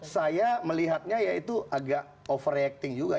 saya melihatnya ya itu agak overreacting juga